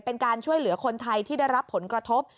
เป็นการช่วยเหลือคนไทยที่ได้รับผลกระทบ